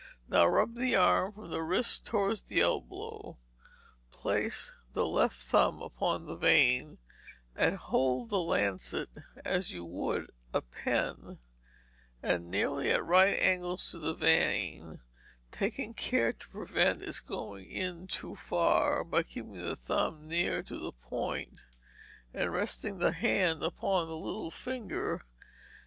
Now rub the arm from the wrist towards the elbow, place the left thumb upon the vein, and hold the lancet as you would a pen, and nearly at right angles to the vein, taking care to prevent its going in too far, by keeping the thumb near to the point, and resting the hand upon the little finger.